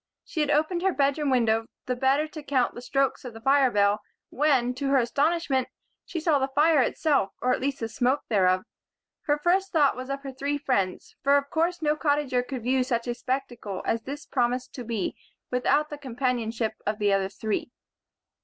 She had opened her bedroom window the better to count the strokes of the fire bell when, to her astonishment, she saw the fire itself or at least the smoke thereof. Her first thought was of her three friends; for of course no Cottager could view such a spectacle as this promised to be without the companionship of the other three.